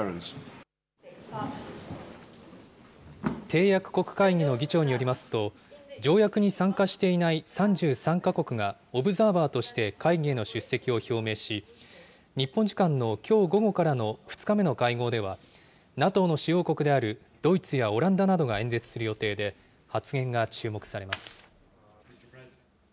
締約国会議の議長によりますと、条約に参加していない３３か国がオブザーバーとして会議への出席を表明し、日本時間のきょう午後からの２日目の会合では、ＮＡＴＯの主要国であるドイツやオランダなどが演説する予定で、発言が注目されます。